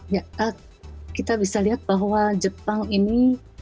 ya kita bisa lihat bahwa jepang ini